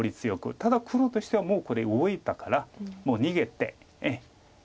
ただ黒としてはもうこれ動いたから逃げて。